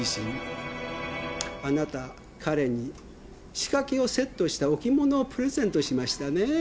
あなた彼に仕掛けをセットした置き物をプレゼントしましたね？